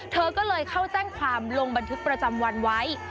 เธอก็เลยเข้าแจ้งความลงบันทึกประจำวันไว้